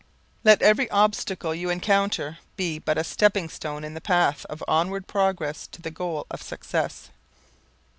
Let every obstacle you encounter be but a stepping stone in the path of onward progress to the goal of success.